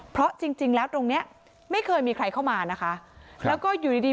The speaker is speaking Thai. เพราะจริงจริงแล้วตรงเนี้ยไม่เคยมีใครเข้ามานะคะแล้วก็อยู่ดีดี